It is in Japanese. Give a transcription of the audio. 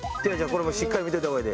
これもうしっかり見といた方がええで。